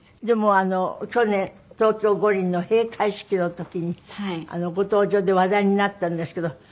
でも去年東京五輪の閉会式の時にご登場で話題になったんですけど。